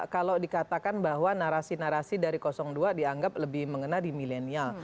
kalau dikatakan bahwa narasi narasi dari dua dianggap lebih mengena di milenial